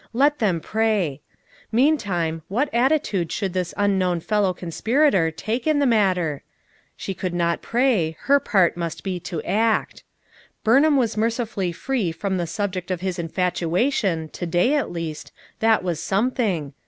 Let them pray. Mean time, what attitude should this unknown fellow conspirator take in the matter? She could not pray; her part must be to act. Burnham was mercifully free from the subject of his infatua tion to day, at least, that was something.